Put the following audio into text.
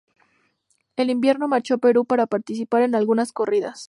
Ese invierno marchó a Perú para participar en algunas corridas.